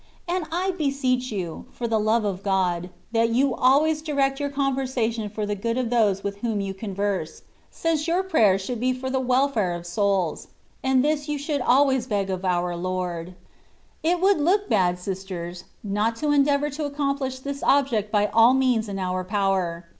And I beseech you, for the love of God, that you always direct your conversation for the good of those with whom you converse, since your prayers should be for the welfare of souls: and this you should always beg of our Lord. It would look bad, sisters, not to endea vour to accomplish this object by all means in our power.